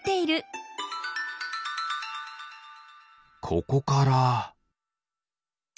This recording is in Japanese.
ここから。